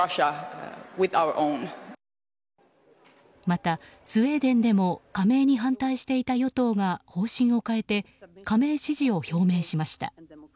また、スウェーデンでも加盟に反対していた与党が方針を変えて加盟支持を表明しました。